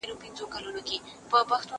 سیسټم ته اپلوډ کړي دي!